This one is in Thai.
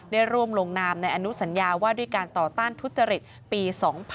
ได้ร่วมลงนามในอนุสัญญาว่าด้วยการต่อต้านทุจริตปี๒๕๖๒